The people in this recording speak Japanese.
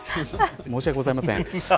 申し訳ございません。